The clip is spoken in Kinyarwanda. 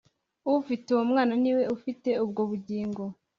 Ufite uwo Mwana niwe ufite ubwo bugingo